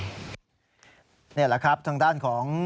นี่แหละครับทางด้านของ